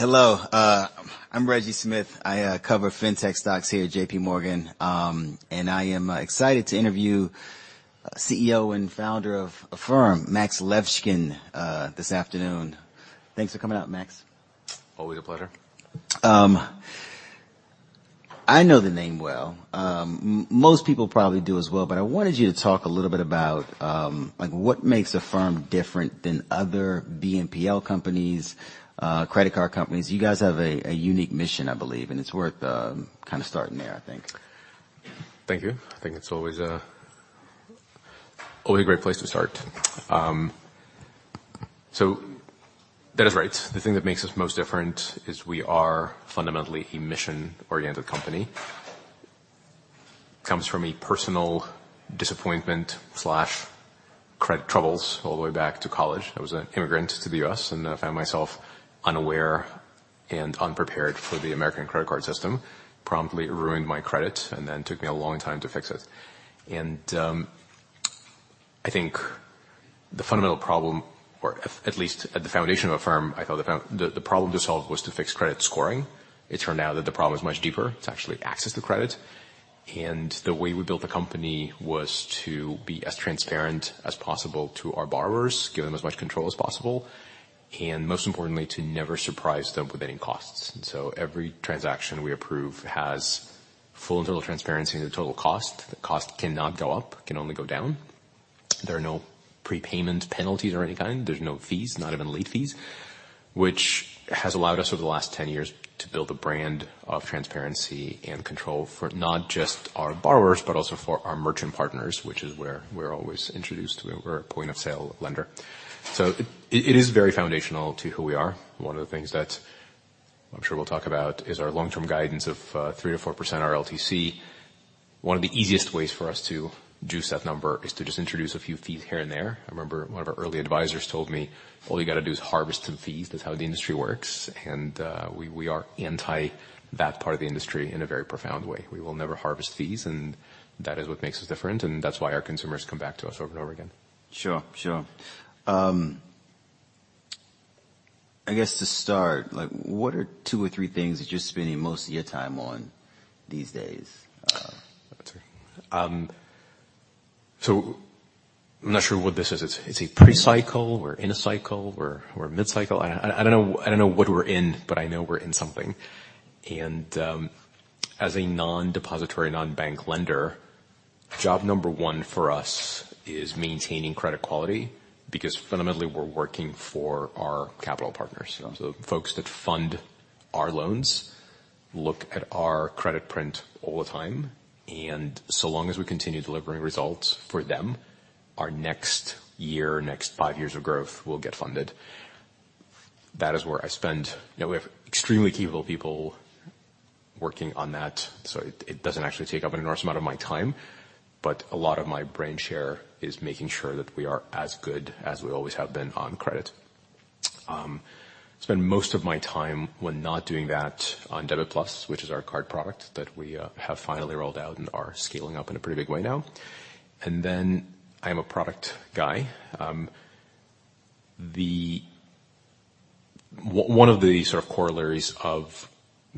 Hello. I'm Reginald Smith. I cover Fintech stocks here at JPMorgan. I am excited to interview CEO and founder of Affirm, Max Levchin, this afternoon. Thanks for coming out, Max. Always a pleasure. I know the name well. most people probably do as well, but I wanted you to talk a little bit about, like, what makes Affirm different than other BNPL companies, credit card companies. You guys have a unique mission, I believe, and it's worth, kinda starting there, I think. Thank you. I think it's always a, always a great place to start. That is right. The thing that makes us most different is we are fundamentally a mission-oriented company. Comes from a personal disappointment/credit troubles all the way back to college. I was an immigrant to the U.S., and I found myself unaware and unprepared for the American credit card system. Promptly ruined my credit and then took me a long time to fix it. I think the fundamental problem, or at least at the foundation of Affirm, I felt the problem to solve was to fix credit scoring. It turned out that the problem is much deeper. It's actually access to credit. The way we built the company was to be as transparent as possible to our borrowers, give them as much control as possible, and most importantly, to never surprise them with any costs. Every transaction we approve has full and total transparency into the total cost. The cost cannot go up, it can only go down. There are no prepayment penalties of any kind. There's no fees, not even late fees, which has allowed us over the last 10 years to build a brand of transparency and control for not just our borrowers but also for our merchant partners, which is where we're always introduced. We're a point-of-sale lender. It is very foundational to who we are. One of the things that I'm sure we'll talk about is our long-term guidance of 3%-4% RLTC. One of the easiest ways for us to juice that number is to just introduce a few fees here and there. I remember one of our early advisors told me, "All you gotta do is harvest some fees. That's how the industry works." We are anti that part of the industry in a very profound way. We will never harvest fees, and that is what makes us different, and that's why our consumers come back to us over and over again. Sure. I guess to start, like, what are 2 or 3 things that you're spending most of your time on these days? I'm not sure what this is. It's a pre-cycle, we're in a cycle, we're mid-cycle. I don't know, I don't know what we're in, but I know we're in something. As a non-depository, non-bank lender, job number 1 for us is maintaining credit quality because fundamentally we're working for our capital partners. The folks that fund our loans look at our credit print all the time, and so long as we continue delivering results for them, our next year, next 5 years of growth will get funded. That is where I spend. You know, we have extremely capable people working on that, so it doesn't actually take up an enormous amount of my time. A lot of my brain share is making sure that we are as good as we always have been on credit. Spend most of my time when not doing that on Affirm Card, which is our card product that we have finally rolled out and are scaling up in a pretty big way now. I am a product guy. One of the sort of corollaries of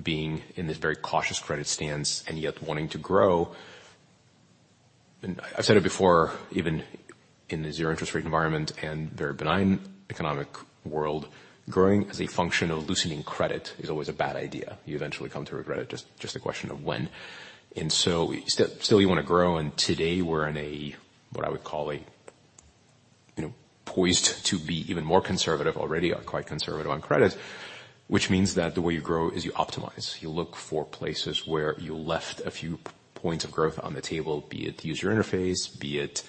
being in this very cautious credit stance and yet wanting to grow, and I've said it before, even in the 0 interest rate environment and very benign economic world, growing as a function of loosening credit is always a bad idea. You eventually come to regret it, just a question of when. Still you wanna grow, and today we're in a, what I would call a, you know, poised to be even more conservative. Already are quite conservative on credit, which means that the way you grow is you optimize. You look for places where you left a few points of growth on the table, be it user interface, be it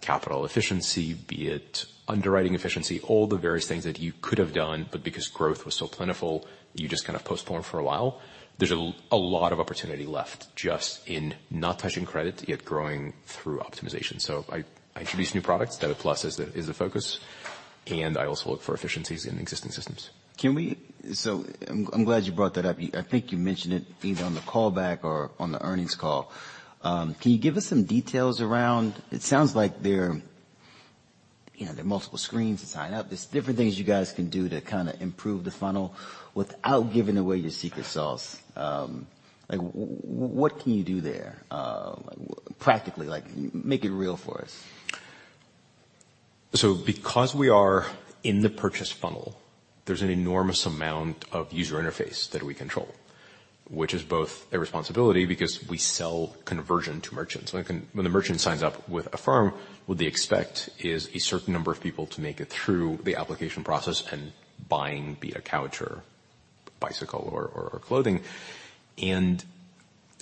capital efficiency, be it underwriting efficiency, all the various things that you could have done, but because growth was so plentiful, you just kind of postponed for a while. There's a lot of opportunity left just in not touching credit, yet growing through optimization. I introduce new products. Affirm Card is the focus, and I also look for efficiencies in existing systems. I'm glad you brought that up. I think you mentioned it either on the callback or on the earnings call. Can you give us some details around? It sounds like there, you know, there are multiple screens to sign up. There's different things you guys can do to kinda improve the funnel without giving away your secret sauce. Like, what can you do there, practically? Like, make it real for us. Because we are in the purchase funnel, there's an enormous amount of user interface that we control, which is both a responsibility because we sell conversion to merchants. When the merchant signs up with Affirm, what they expect is a certain number of people to make it through the application process and buying, be it a couch or bicycle or clothing.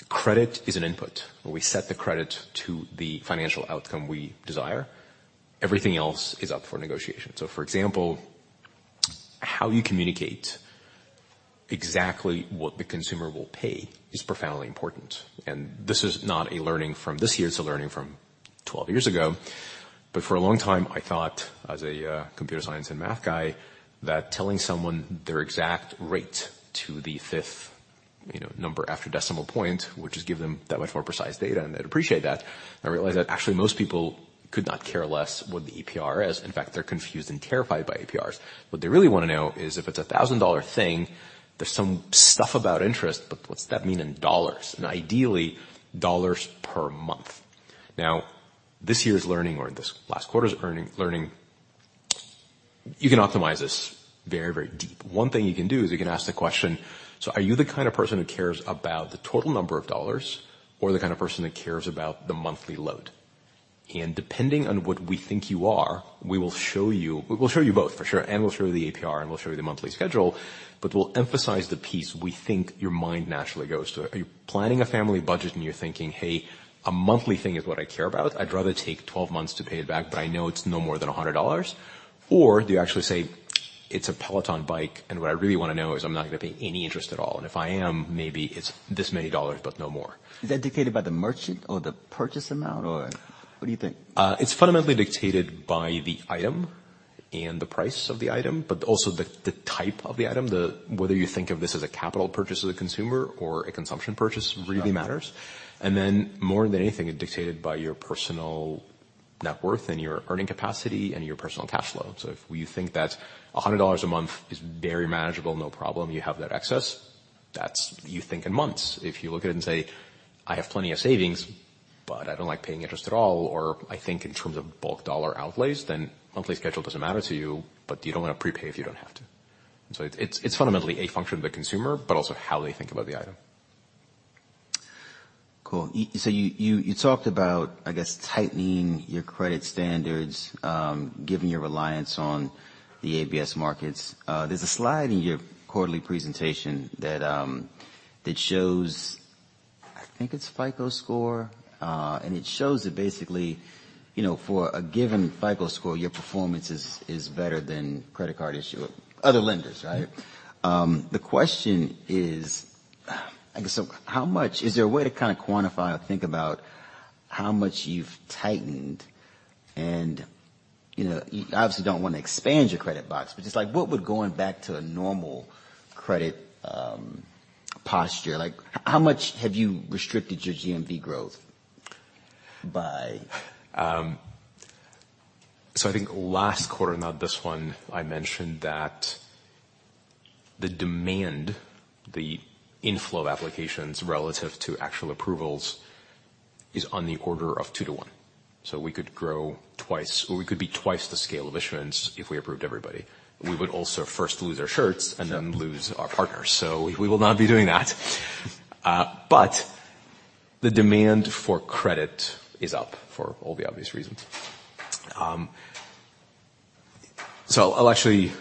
Credit is an input. When we set the credit to the financial outcome we desire, everything else is up for negotiation. For example, how you communicate exactly what the consumer will pay is profoundly important. This is not a learning from this year, it's a learning from 12 years ago. For a long time, I thought as a computer science and math guy, that telling someone their exact rate to the 5th-You know, number after decimal point, which has given them that much more precise data, and they'd appreciate that. I realized that actually most people could not care less what the APR is. In fact, they're confused and terrified by APRs. What they really wanna know is if it's a $1,000 thing, there's some stuff about interest, but what's that mean in dollars? Ideally, dollars per month. This year's learning or this last quarter's learning, you can optimize this very, very deep. 1 thing you can do is you can ask the question, "Are you the kind of person who cares about the total number of dollars or the kind of person that cares about the monthly load?" Depending on what we think you are, We'll show you both for sure, and we'll show you the APR, and we'll show you the monthly schedule, but we'll emphasize the piece we think your mind naturally goes to. Are you planning a family budget, and you're thinking, "Hey, a monthly thing is what I care about. I'd rather take 12 months to pay it back, but I know it's no more than $100." Do you actually say, "It's a Peloton bike, and what I really wanna know is I'm not gonna pay any interest at all. If I am, maybe it's this many dollars, but no more. Is that dictated by the merchant or the purchase amount, or what do you think? It's fundamentally dictated by the item and the price of the item, but also the type of the item. Whether you think of this as a capital purchase of the consumer or a consumption purchase really matters. More than anything, it dictated by your personal net worth and your earning capacity and your personal cash flow. If you think that $100 a month is very manageable, no problem, you have that excess. That's you think in months. If you look at it and say, "I have plenty of savings, but I don't like paying interest at all," or I think in terms of bulk dollar outlays, then monthly schedule doesn't matter to you, but you don't wanna prepay if you don't have to. It's, it's fundamentally a function of the consumer, but also how they think about the item. Cool. You talked about, I guess, tightening your credit standards, given your ABS markets. There's a slide in your quarterly presentation that shows I think it's FICO score. It shows that basically, you know, for a given FICO score, your performance is better than credit card issuer other lenders, right? The question is, I guess, so how much... Is there a way to kinda quantify or think about how much you've tightened? You know, you obviously don't wanna expand your credit box, but just like what would going back to a normal credit posture like. How much have you restricted your GMV growth by? I think last quarter, not this one, I mentioned that the demand, the inflow of applications relative to actual approvals is on the order of 2 to 1. We could grow twice, or we could be twice the scale of issuance if we approved everybody. We would also first lose our shirts and then lose our partners. We will not be doing that. The demand for credit is up for all the obvious reasons. I'll actually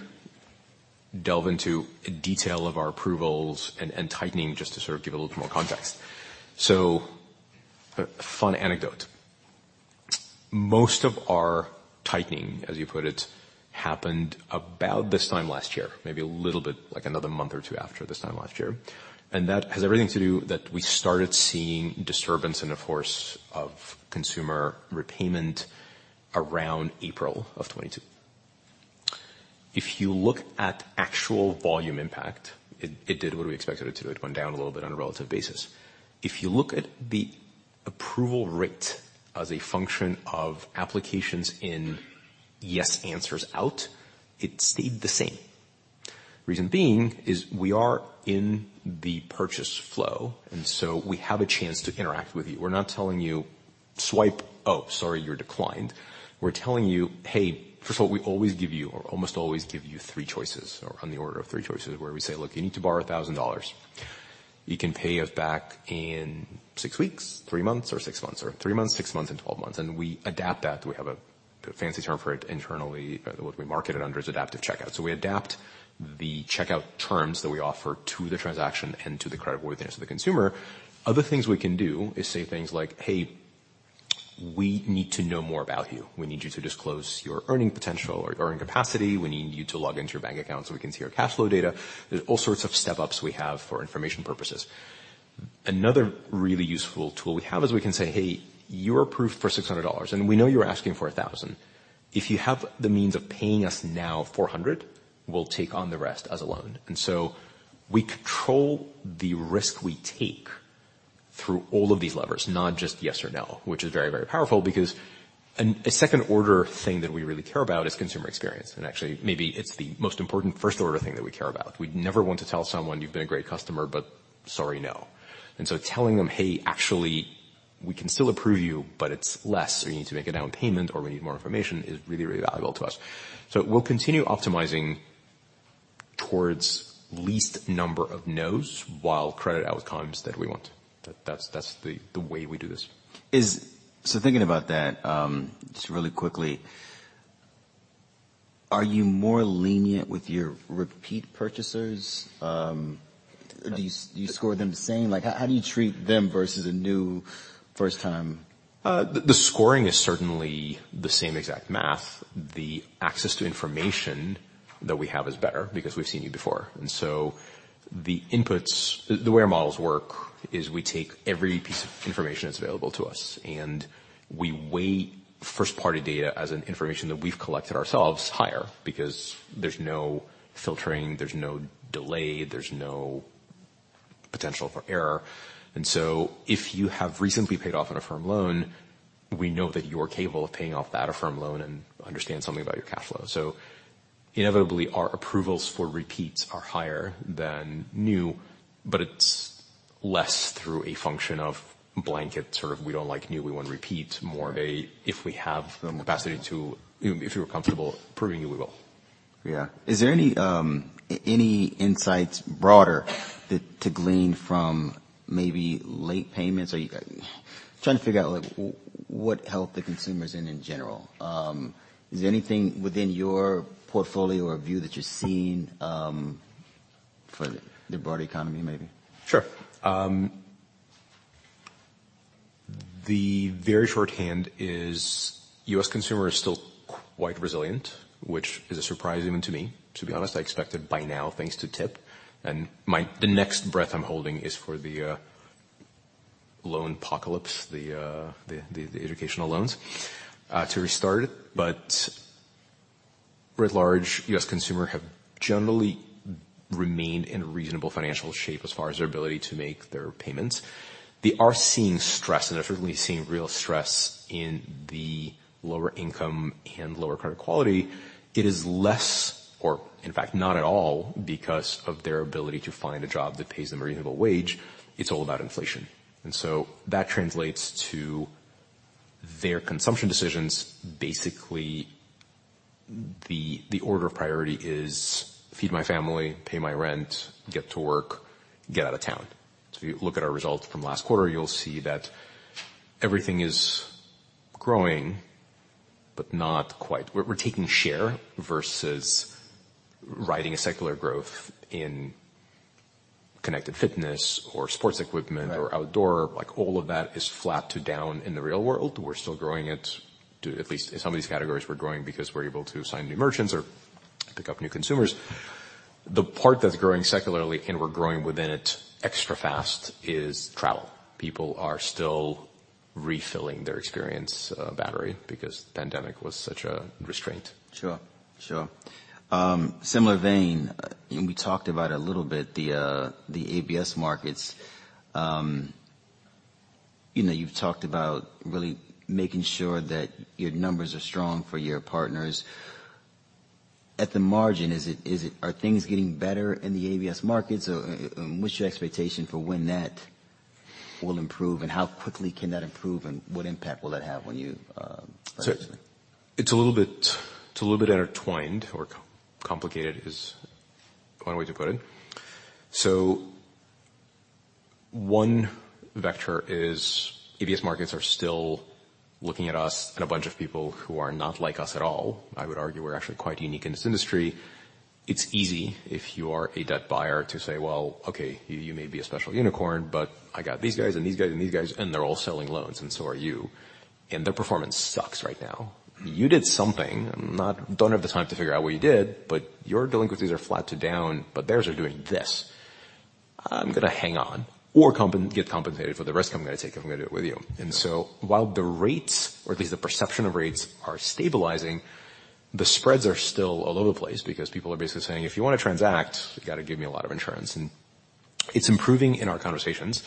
delve into detail of our approvals and tightening just to sort of give a little more context. Fun anecdote. Most of our tightening, as you put it, happened about this time last year, maybe a little bit, like another month or 2 after this time last year. That has everything to do that we started seeing disturbance in the force of consumer repayment around April of 2022. If you look at actual volume impact, it did what we expected it to. It went down a little bit on a relative basis. If you look at the approval rate as a function of applications in yes answers out, it stayed the same. Reason being is we are in the purchase flow, and so we have a chance to interact with you. We're not telling you, "Swipe. Oh, sorry, you're declined." We're telling you, "Hey," first of all, we always give you or almost always give you 3 choices or on the order of 3 choices where we say, "Look, you need to borrow $1,000. You can pay it back in 6 weeks, 3 months or 6 months, or 3 months, 6 months and 12 months." We adapt that. We have a fancy term for it internally. What we market it under is Adaptive Checkout. We adapt the checkout terms that we offer to the transaction and to the creditworthiness of the consumer. Other things we can do is say things like, "Hey, we need to know more about you. We need you to disclose your earning potential or earning capacity. We need you to log into your bank account, so we can see your cash flow data." There's all sorts of step-ups we have for information purposes. Another really useful tool we have is we can say, "Hey, you're approved for $600, and we know you're asking for $1,000. If you have the means of paying us now $400, we'll take on the rest as a loan. We control the risk we take through all of these levers, not just yes or no, which is very, very powerful because A 2nd-order thing that we really care about is consumer experience. Actually, maybe it's the most important first-order thing that we care about. We'd never want to tell someone, "You've been a great customer, but sorry, no." Telling them, "Hey, actually, we can still approve you, but it's less, or you need to make a down payment, or we need more information," is really, really valuable to us. We'll continue optimizing towards least number of no's while credit outcomes that we want. That's the way we do this. Thinking about that, just really quickly, are you more lenient with your repeat purchasers? Do you score them the same? Like, how do you treat them versus a new first time? The scoring is certainly the same exact math. The access to information that we have is better because we've seen you before. The inputs, the way our models work is we take every piece of information that's available to us, and we weigh first-party data as an information that we've collected ourselves higher because there's no filtering, there's no delay, there's no potential for error. If you have recently paid off an Affirm loan, we know that you're capable of paying off that Affirm loan and understand something about your cash flow. Inevitably, our approvals for repeats are higher than new, but it's less through a function of blanket, we don't like new, we want repeat. More a, if we have the capacity if you're comfortable approving it, we will. Is there any insights broader to glean from maybe late payments? Trying to figure out like what health the consumer's in in general. Is there anything within your portfolio or view that you're seeing, for the broader economy, maybe? Sure. The very short hand is U.S. consumer is still quite resilient, which is a surprise even to me. To be honest, I expected by now, things to tip, and the next breath I'm holding is for the loan apocalypse, the educational loans to restart it. Writ large U.S. consumer have generally remained in reasonable financial shape as far as their ability to make their payments. They are seeing stress, and they're certainly seeing real stress in the lower income and lower credit quality. It is less or in fact not at all because of their ability to find a job that pays them a reasonable wage. It's all about inflation. That translates to their consumption decisions. Basically, the order of priority is feed my family, pay my rent, get to work, get out of town. If you look at our results from last quarter, you'll see that everything is growing, but not quite. We're taking share versus riding a secular growth in connected fitness or sports equipment. Right. Outdoor. Like, all of that is flat to down in the real world. We're still growing it to at least some of these categories we're growing because we're able to sign new merchants or pick up new consumers. The part that's growing secularly and we're growing within it extra fast is travel. People are still refilling their experience battery because pandemic was such a restraint. Sure. similar vein, you know, we talked about a little bit the ABS markets. you know, you've talked about really making sure that your numbers are strong for your partners. At the margin, is it-- Are things getting better in the ABS markets or, what's your expectation for when that will improve and how quickly can that improve and what impact will that have when you, eventually? It's a little bit intertwined or co-complicated is 1 way to put it. 1 vector is ABS markets are still looking at us and a bunch of people who are not like us at all. I would argue we're actually quite unique in this industry. It's easy if you are a debt buyer to say, "Well, okay, you may be a special unicorn, but I got these guys and these guys and these guys, and they're all selling loans and so are you. Their performance sucks right now. You did something. I don't have the time to figure out what you did, but your delinquencies are flat to down, but theirs are doing this. I'm gonna hang on or get compensated for the risk I'm gonna take if I'm gonna do it with you. While the rates or at least the perception of rates are stabilizing, the spreads are still all over the place because people are basically saying, "If you wanna transact, you gotta give me a lot of insurance." It's improving in our conversations.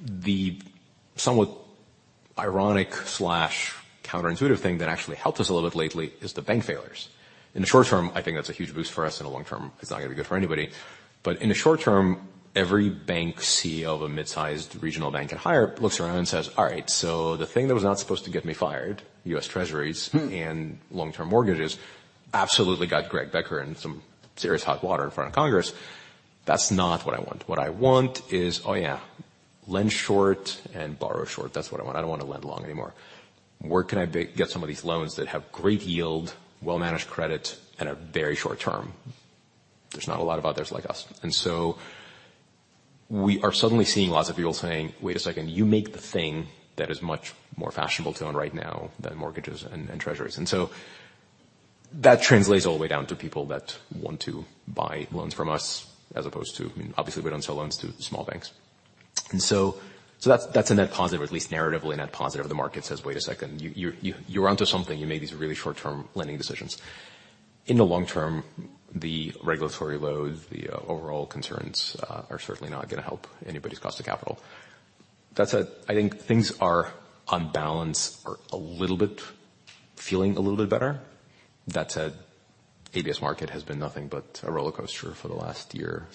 The somewhat ironic/counterintuitive thing that actually helped us a little bit lately is the bank failures. In the short term, I think that's a huge boost for us. In the long term, it's not gonna be good for anybody. In the short term, every bank CEO of a mid-sized regional bank and higher looks around and says, "All right, so the thing that was not supposed to get me fired, U.S. Treasuries and long-term mortgages absolutely got Greg Becker in some serious hot water in front of Congress. That's not what I want. What I want is, oh, yeah, lend short and borrow short. That's what I want. I don't wanna lend long anymore. Where can I get some of these loans that have great yield, well-managed credit and are very short term? There's not a lot of others like us. We are suddenly seeing lots of people saying, "Wait a second, you make the thing that is much more fashionable to own right now than mortgages and Treasuries." That translates all the way down to people that want to buy loans from us as opposed to. I mean, obviously we don't sell loans to small banks. That's a net positive or at least narratively a net positive. The market says, "Wait a second, you're onto something. You made these really short-term lending decisions. In the long term, the regulatory load, the overall concerns, are certainly not gonna help anybody's cost of capital. That said, I think things are on balance feeling a little bit better. That said, ABS market has been nothing but a rollercoaster for the last year.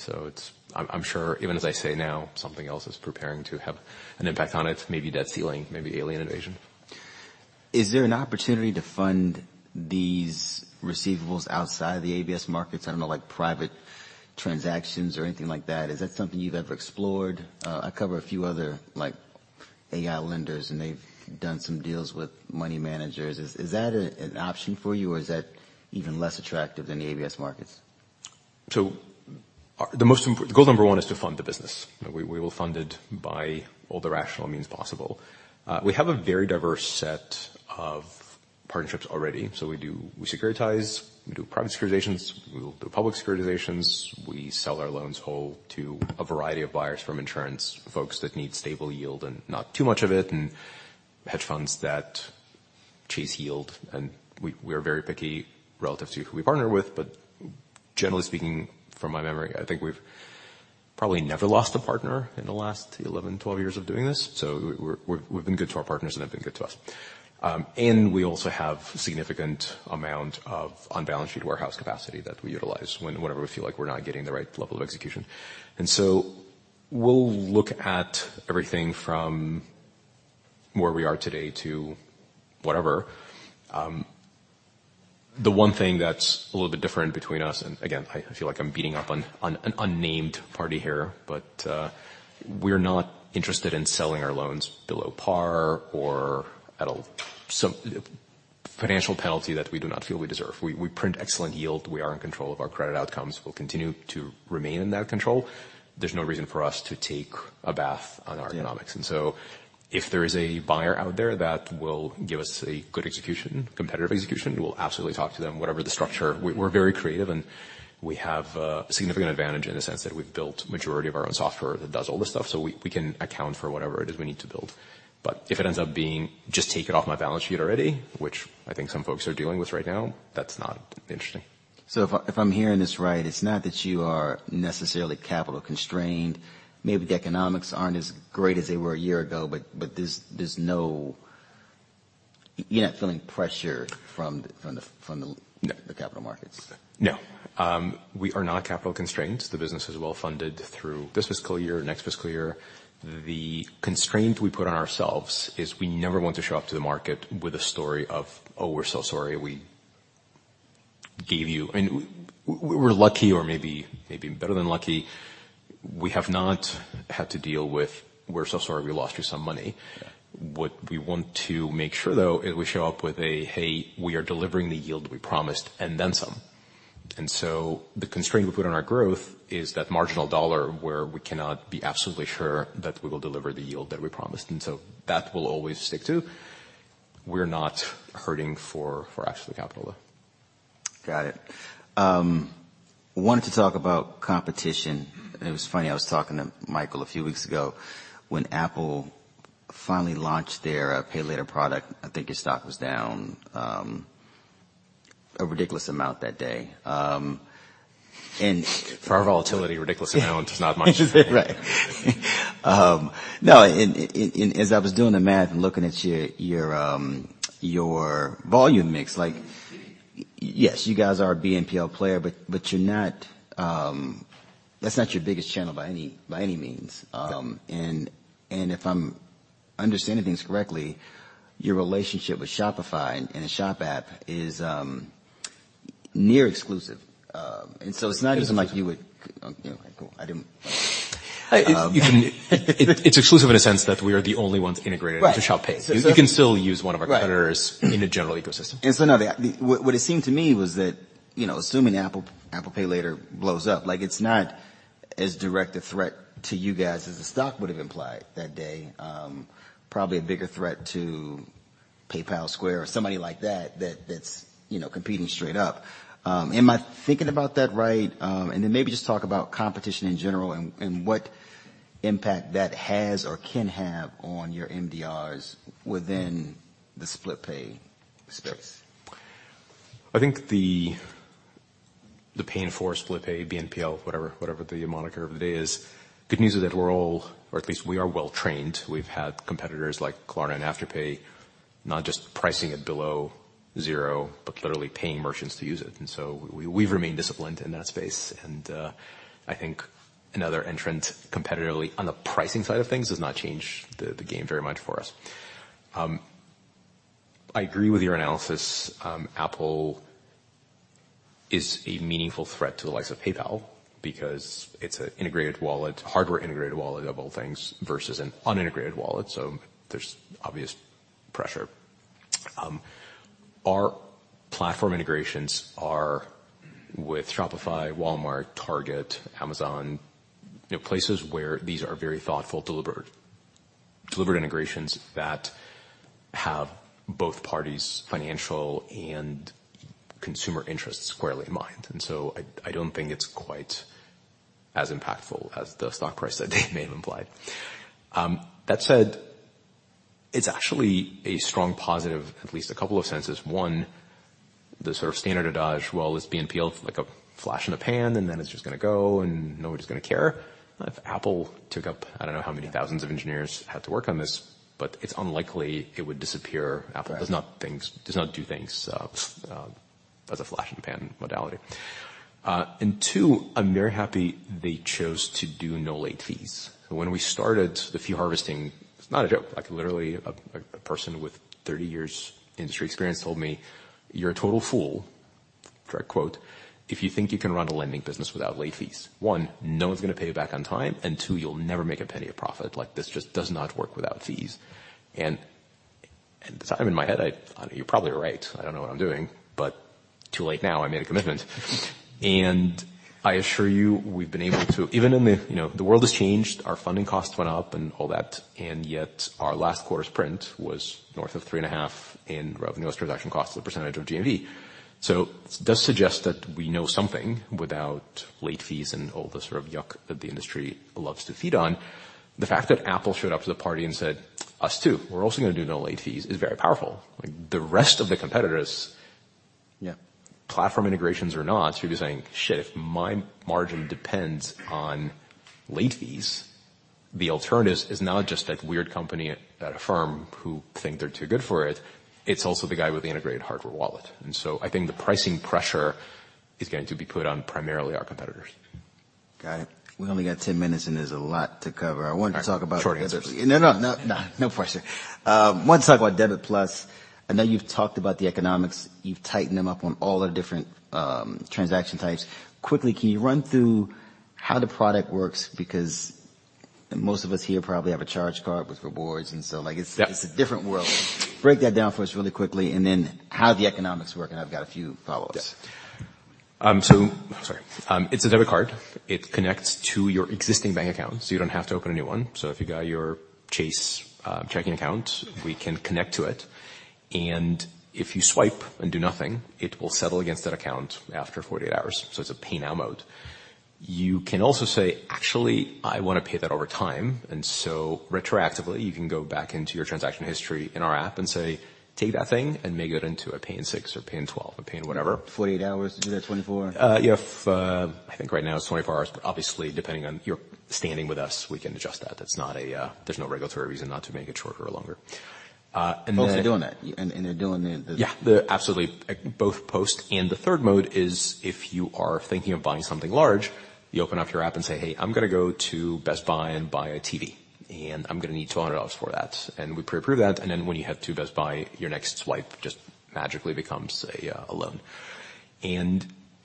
I'm sure even as I say now, something else is preparing to have an impact on it. Maybe debt ceiling, maybe alien invasion. Is there an opportunity to fund these receivables outside the ABS markets? I don't know, like private transactions or anything like that. Is that something you've ever explored? I cover a few other like AI lenders and they've done some deals with money managers. Is that an option for you or is that even less attractive than the ABS markets? The goal number 1 is to fund the business. We will fund it by all the rational means possible. We have a very diverse set of-Partnerships already. We securitize, we do private securitizations, we do public securitizations. We sell our loans whole to a variety of buyers from insurance folks that need stable yield and not too much of it, and hedge funds that chase yield. We're very picky relative to who we partner with. Generally speaking, from my memory, I think we've probably never lost a partner in the last 11, 12 years of doing this. We've been good to our partners, and they've been good to us. We also have significant amount of on-balance sheet warehouse capacity that we utilize whenever we feel like we're not getting the right level of execution. We'll look at everything from where we are today to whatever. The 1 thing that's a little bit different between us and again, I feel like I'm beating up on an unnamed party here, we're not interested in selling our loans below par or at a some financial penalty that we do not feel we deserve. We print excellent yield. We are in control of our credit outcomes. We'll continue to remain in that control. There's no reason for us to take a bath on our economics. If there is a buyer out there that will give us a good execution, competitive execution, we'll absolutely talk to them. Whatever the structure, we're very creative, and we have a significant advantage in the sense that we've built majority of our own software that does all this stuff, so we can account for whatever it is we need to build. If it ends up being just take it off my balance sheet already, which I think some folks are dealing with right now, that's not interesting. if I'm hearing this right, it's not that you are necessarily capital constrained. Maybe the economics aren't as great as they were a year ago, but You're not feeling pressure from the. -the capital markets. No. We are not capital constrained. The business is well-funded through this fiscal year, next fiscal year. The constraint we put on ourselves is we never want to show up to the market with a story of, "Oh, we're so sorry. We gave you..." I mean, we're lucky or maybe better than lucky, we have not had to deal with, "We're so sorry we lost you some money. What we want to make sure, though, is we show up with a, "Hey, we are delivering the yield we promised and then some." The constraint we put on our growth is that marginal dollar where we cannot be absolutely sure that we will deliver the yield that we promised. That we'll always stick to. We're not hurting for actual capital, though. Got it. wanted to talk about competition. It was funny, I was talking to Michael a few weeks ago when Apple finally launched their pay later product. I think your stock was down a ridiculous amount that day. For our volatility, ridiculous amount is not much. Right. No, as I was doing the math and looking at your volume mix, like yes, you guys are a BNPL player. You're not, that's not your biggest channel by any means. No. If I'm understanding this correctly, your relationship with Shopify and the Shop app is near exclusive. So it's not even like you would. Okay, cool. I didn't. It's exclusive in a sense that we are the only ones integrated-. Right. to Shop Pay. You can still use one of our competitors- Right. in a general ecosystem. Now the, what it seemed to me was that, you know, assuming Apple Pay Later blows up, like it's not as direct a threat to you guys as the stock would have implied that day. Probably a bigger threat to PayPal, Block, or somebody like that, that's, you know, competing straight up. Am I thinking about that right? Maybe just talk about competition in general and what impact that has or can have on your MDRs within the split pay space. I think the paying for split pay, BNPL, whatever the moniker of the day is, good news is that we're all, or at least we are well-trained. We've had competitors like Klarna and Afterpay not just pricing it below 0, but literally paying merchants to use it. We've remained disciplined in that space. I think another entrant competitively on the pricing side of things does not change the game very much for us. I agree with your analysis. Apple is a meaningful threat to the likes of PayPal because it's an integrated wallet, hardware integrated wallet of all things, versus an unintegrated wallet, so there's obvious pressure. Our platform integrations are with Shopify, Walmart, Target, Amazon, you know, places where these are very thoughtful, deliberate integrations that have both parties' financial and consumer interests squarely in mind. I don't think it's quite as impactful as the stock price that day may have implied. That said, it's actually a strong positive, at least a couple of senses. 1, the sort of standard adage, well, is BNPL like a flash in the pan and then it's just gonna go and nobody's gonna care. If Apple took up, I don't know how many thousands of engineers had to work on this, but it's unlikely it would disappear. Apple does not do things as a flash in the pan modality. 2, I'm very happy they chose to do no late fees. When we started the fee harvesting, it's not a joke. Like literally a person with 30 years industry experience told me, "You're a total fool," direct quote, "if you think you can run a lending business without late fees. 1, no one's gonna pay you back on time, and 2, you'll never make a penny of profit. Like, this just does not work without fees." At the time in my head, I went, "You're probably right. I don't know what I'm doing." Too late now, I made a commitment. I assure you, we've been able to-- Even in the, you know, the world has changed, our funding costs went up and all that, and yet our last quarter's print was north of 3.5 in revenue as transaction costs as a percentage of GMV. It does suggest that we know something without late fees and all the sort of yuck that the industry loves to feed on. The fact that Apple showed up to the party and said, "Us too, we're also gonna do no late fees," is very powerful. Like, the rest of the competitors- Yeah. Platform integrations or not, should be saying, "If my margin depends on late fees, the alternative is not just that weird company, Affirm who think they're too good for it's also the guy with the integrated hardware wallet." I think the pricing pressure is going to be put on primarily our competitors. Got it. We only got 10 minutes. There's a lot to cover. I wanted to talk about. Short answers. No pressure. Wanted to talk about Affirm Card. I know you've talked about the economics. You've tightened them up on all the different transaction types. Quickly, can you run through how the product works? Because most of us here probably have a charge card with rewards, like- Yeah. It's a different world. Break that down for us really quickly, then how the economics work, and I've got a few follow-ups. Sorry. It's a debit card. It connects to your existing bank account, so you don't have to open a new one. If you got your Chase checking account, we can connect to it. If you swipe and do nothing, it will settle against that account after 48 hours, so it's a pay now mode. You can also say, "Actually, I wanna pay that over time." Retroactively, you can go back into your transaction history in our app and say, "Take that thing and make it into a pay in 6 or pay in 12, a pay in whatever. 48 hours. To do that 24? You have, I think right now it's 24 hours. Obviously, depending on your standing with us, we can adjust that. There's no regulatory reason not to make it shorter or longer. Both are doing that. They're doing the Yeah. Absolutely. Both post, the third mode is if you are thinking of buying something large, you open up your app and say, "Hey, I'm gonna go to Best Buy and buy a TV, and I'm gonna need $200 for that." We pre-approve that, and then when you head to Best Buy, your next swipe just magically becomes a loan.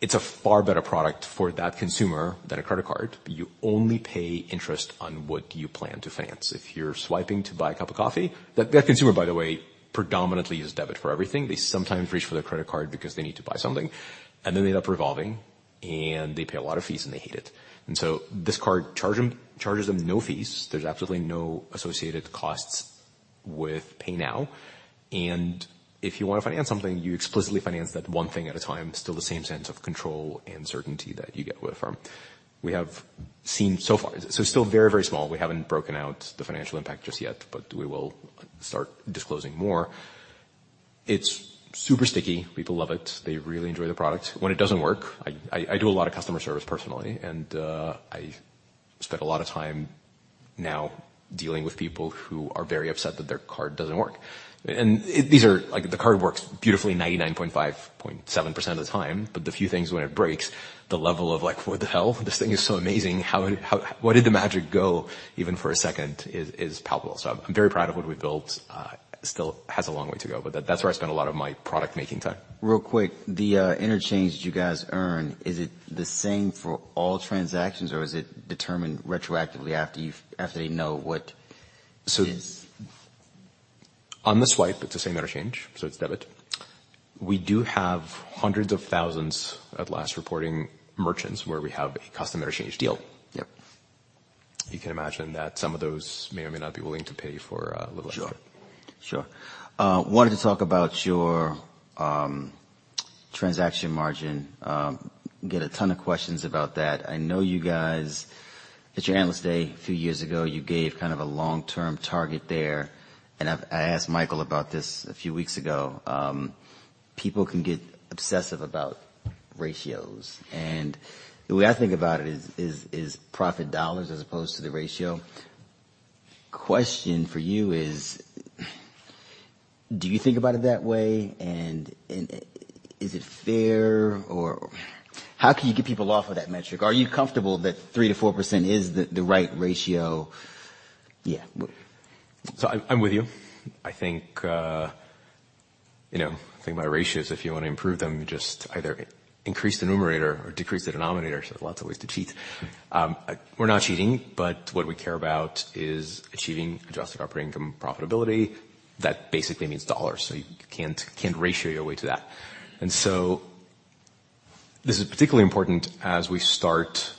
It's a far better product for that consumer than a credit card. You only pay interest on what you plan to finance. If you're swiping to buy a cup of coffee, that consumer, by the way, predominantly uses debit for everything. They sometimes reach for their credit card because they need to buy something, and then they end up revolving, and they pay a lot of fees, and they hate it. This card charges them no fees. There's absolutely no associated costs with pay now. If you wanna finance something, you explicitly finance that one thing at a time. Still the same sense of control and certainty that you get with Affirm. Still very, very small. We haven't broken out the financial impact just yet, we will start disclosing more. It's super sticky. People love it. They really enjoy the product. When it doesn't work, I do a lot of customer service personally and I spend a lot of time now dealing with people who are very upset that their card doesn't work. Like, the card works beautifully 99.57% of the time. The few things when it breaks, the level of like, "What the hell? This thing is so amazing. How, why did the magic go even for a second?" is palpable. I'm very proud of what we built. Still has a long way to go. That's where I spend a lot of my product making time. Real quick. The interchange that you guys earn, is it the same for all transactions or is it determined retroactively after they know what is? On the swipe it's the same interchange, so it's debit. We do have hundreds of thousands at last reporting merchants where we have a custom interchange deal. Yep. You can imagine that some of those may or may not be willing to pay for a little extra. Sure. Wanted to talk about your transaction margin. Get a ton of questions about that. I know you guys, at your analyst day a few years ago, you gave kind of a long-term target there, and I asked Michael about this a few weeks ago. People can get obsessive about ratios, and the way I think about it is profit dollars as opposed to the ratio. Question for you is, do you think about it that way? Is it fair or how can you get people off of that metric? Are you comfortable that 3%-4% is the right ratio? Yeah. I'm with you. I think, you know, think about ratios. If you wanna improve them, you just either increase the numerator or decrease the denominator. There's lots of ways to cheat. We're not cheating, but what we care about is achieving adjusted operating income profitability. That basically means dollars. You can't ratio your way to that. This is particularly important as we start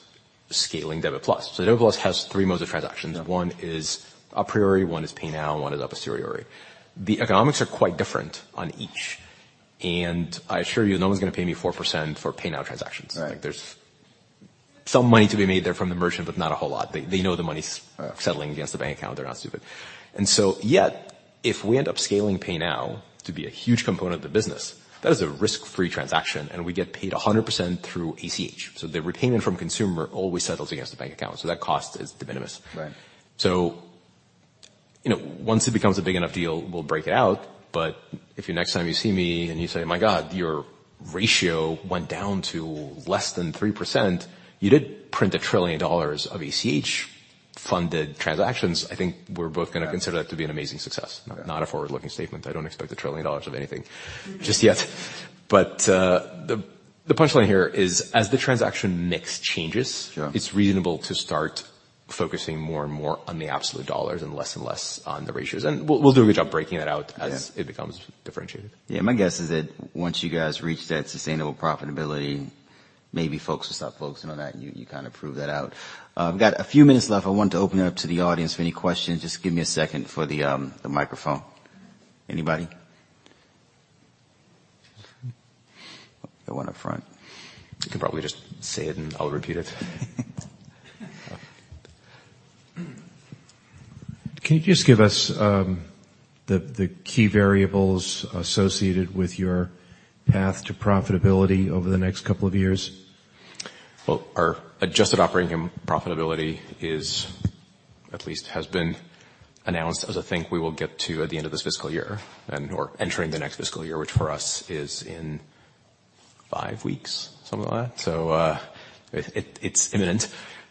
scaling Affirm Card. Affirm Card has 3 modes of transactions. Yeah. 1 is a priori, 1 is pay now, 1 is a posteriori. The economics are quite different on each. I assure you, no one's gonna pay me 4% for pay now transactions. Right. Like, there's some money to be made there from the merchant, but not a whole lot. They know the money's settling against the bank account. They're not stupid. Yet, if we end up scaling pay now to be a huge component of the business, that is a risk-free transaction, and we get paid 100% through ACH. The repayment from consumer always settles against the bank account, so that cost is de minimis. Right. You know, once it becomes a big enough deal, we'll break it out. If you next time you see me and you say, "My God, your ratio went down to less than 3%," you did print $1 trillion of ACH funded transactions. I think we're both gonna consider that to be an amazing success. Okay. Not a forward-looking statement. I don't expect $1 trillion of anything just yet. The punchline here is as the transaction mix changes- Sure. It's reasonable to start focusing more and more on the absolute dollars and less and less on the ratios. We'll do a good job breaking that out. Yeah. as it becomes differentiated. My guess is that once you guys reach that sustainable profitability, maybe folks will stop focusing on that. You kinda prove that out. We've got a few minutes left. I want to open it up to the audience for any questions. Just give me a second for the microphone. Anybody? The one up front. You can probably just say it, and I'll repeat it. Can you just give us the key variables associated with your path to profitability over the next couple of years? Well, our adjusted operating profitability is at least has been announced as a thing we will get to at the end of this fiscal year and/or entering the next fiscal year, which for us is in 5 weeks, something like that. It's imminent,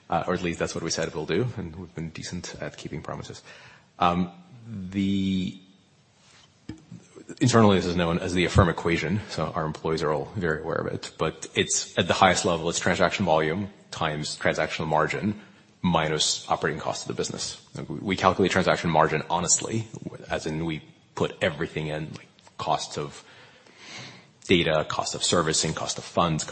or at least that's what we said we'll do, and we've been decent at keeping promises. Internally, this is known as the Affirm equation, so our employees are all very aware of it. It's at the highest level, it's transaction volume times transactional margin minus operating cost of the business. We calculate transaction margin honestly, as in we put everything in, like costs of data, cost of servicing, cost of funds.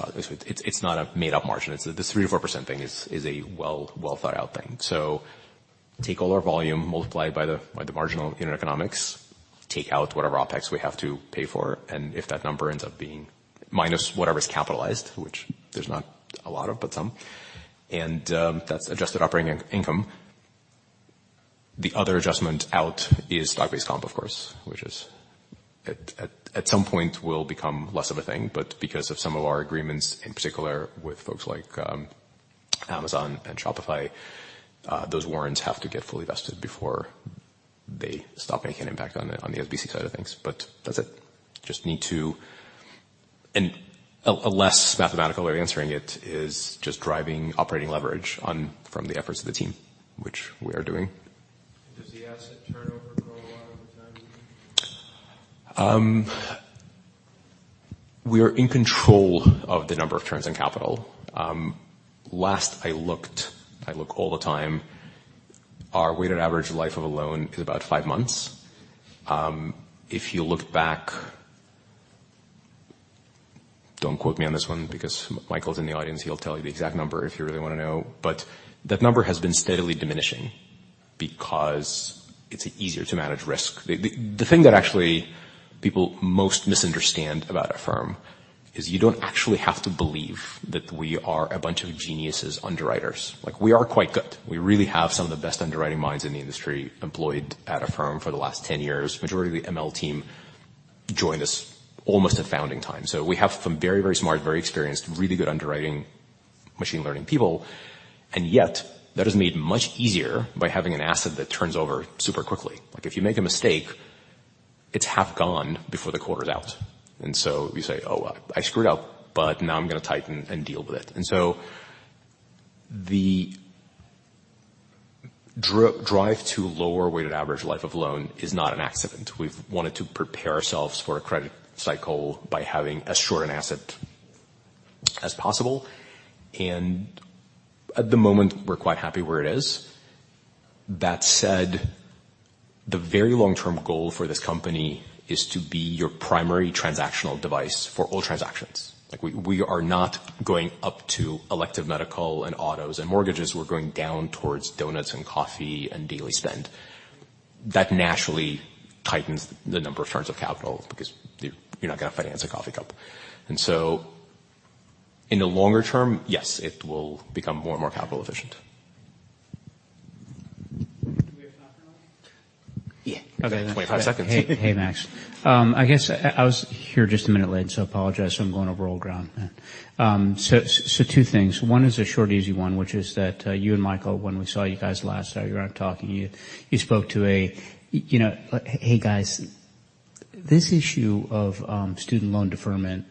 It's not a made-up margin. This 3%-4% thing is a well, well-thought-out thing. take all our volume, multiply it by the marginal economics, take out whatever OpEx we have to pay for, and if that number ends up being minus whatever is capitalized, which there's not a lot of, but some, and that's adjusted operating income. The other adjustment out is stock-based comp, of course, which is at some point will become less of a thing. because of some of our agreements, in particular with folks like Amazon and Shopify, those warrants have to get fully vested before they stop making an impact on the SBC side of things. that's it. a less mathematical way of answering it is just driving operating leverage on from the efforts of the team, which we are doing. [inaudible] We are in control of the number of turns in capital. Last I looked, I look all the time, our weighted average life of a loan is about 5 months. If you look back, don't quote me on this one because Michael's in the audience, he'll tell you the exact number if you really wanna know. That number has been steadily diminishing because it's easier to manage risk. The thing that actually people most misunderstand about Affirm is you don't actually have to believe that we are a bunch of geniuses underwriters. Like, we are quite good. We really have some of the best underwriting minds in the industry employed at Affirm for the last 10 years. Majority of the ML team joined us almost at founding time. We have some very, very smart, very experienced, really good underwriting machine learning people, and yet that is made much easier by having an asset that turns over super quickly. Like, if you make a mistake, it's half gone before the quarter's out. You say, "Oh, well, I screwed up, but now I'm gonna tighten and deal with it." The drive to lower weighted average life of loan is not an accident. We've wanted to prepare ourselves for a credit cycle by having as short an asset as possible, and at the moment, we're quite happy where it is. That said, the very long-term goal for this company is to be your primary transactional device for all transactions. Like, we are not going up to elective medical and autos and mortgages, we're going down towards donuts and coffee and daily spend. That naturally tightens the number of turns of capital because you're not gonna finance a coffee cup. In the longer term, yes, it will become more and more capital efficient. Yeah. 25 seconds. Hey, Max. I guess I was here just a minute late, so I apologize if I'm going over old ground. 2 things. 1 is a short, easy one, which is that you and Michael, when we saw you guys last out here talking, you spoke to a, you know, "Hey, guys, this issue of student loan deferment,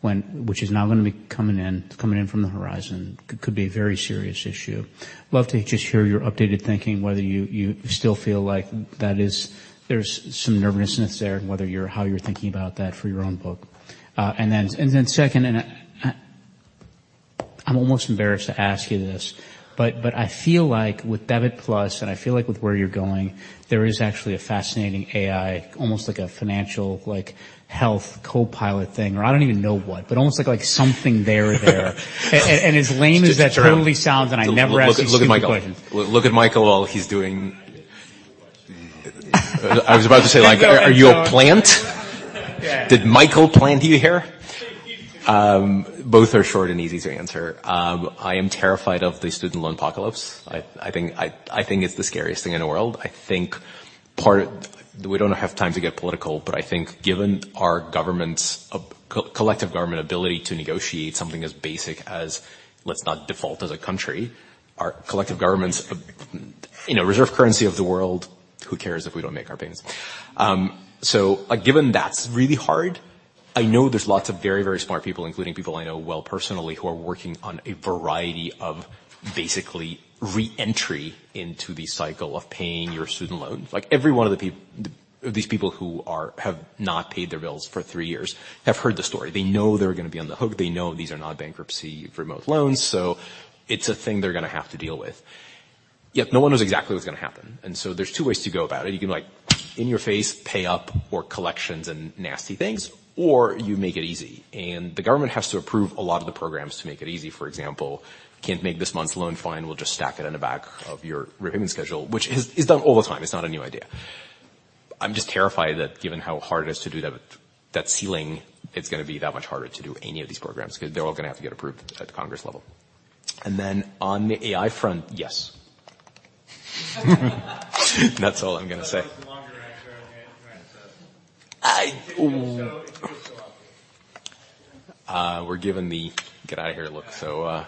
which is now gonna be coming in from the horizon, could be a very serious issue." Love to just hear your updated thinking, whether you still feel like that there's some nervousness there and how you're thinking about that for your own book. Second, and I'm almost embarrassed to ask you this, but I feel like with Affirm Card and I feel like with where you're going, there is actually a fascinating AI, almost like a financial like health co-pilot thing, or I don't even know what, but almost like something there there. As lame as that totally sounds, and I never ask these stupid questions. Look at Michael. Look at Michael while he's doing... I did not ask you a question. I was about to say, like, are you a plant? Yeah. Did Michael plant you here? Both are short and easy to answer. I am terrified of the student loan apocalypse. I think it's the scariest thing in the world. I think we don't have time to get political, but I think given our government's collective government ability to negotiate something as basic as let's not default as a country, our collective government's, you know, reserve currency of the world, who cares if we don't make our payments? Given that's really hard, I know there's lots of very, very smart people, including people I know well personally, who are working on a variety of basically re-entry into the cycle of paying your student loan. Like, every one of these people who have not paid their bills for 3 years have heard the story. They know they're gonna be on the hook. They know these are not bankruptcy remote loans. It's a thing they're gonna have to deal with. Yet no one knows exactly what's gonna happen. There's 2 ways to go about it. You can like, in your face, pay up or collections and nasty things, or you make it easy. The government has to approve a lot of the programs to make it easy. For example, can't make this month's loan, fine, we'll just stack it in the back of your repayment schedule, which is done all the time. It's not a new idea. I'm just terrified that given how hard it is to do that with that ceiling, it's gonna be that much harder to do any of these programs 'cause they're all gonna have to get approved at the Congress level. On the AI front, yes. That's all I'm gonna say. [inaudible] We're given the get out of here look, so.